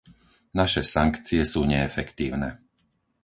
Naše sankcie sú neefektívne.